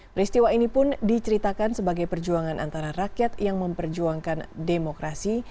peristiwa ini pun diceritakan sebagai perjuangan antara rakyat yang memperjuangkan demokrasi